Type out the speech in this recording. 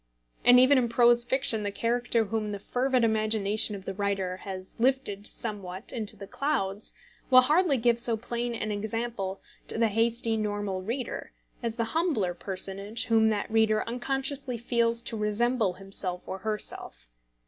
And even in prose fiction the character whom the fervid imagination of the writer has lifted somewhat into the clouds, will hardly give so plain an example to the hasty normal reader as the humbler personage whom that reader unconsciously feels to resemble himself or herself.